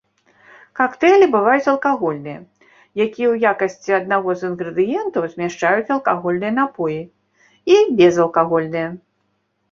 Кактэйлі бываюць алкагольныя, якія ў якасці аднаго з інгрэдыентаў змяшчаюць алкагольныя напоі, і безалкагольныя.